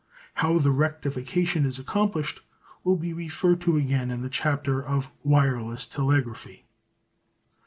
How the rectification is accomplished will be referred to again in the chapter on Wireless Telegraphy.